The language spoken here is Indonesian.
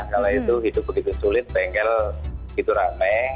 kalau itu hidup begitu sulit bengkel begitu rame